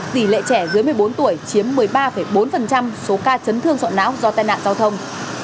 tỷ lệ trẻ dưới một mươi bốn tuổi chiếm một mươi ba bốn số ca chấn thương sọ não do tai nạn giao thông